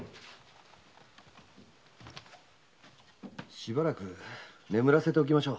しばらく眠らせておきましょう。